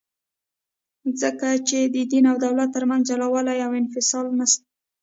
ځکه چي د دین او دولت ترمنځ جلاوالي او انفصال نسته.